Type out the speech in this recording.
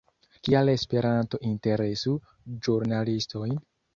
Kial Esperanto interesu ĵurnalistojn?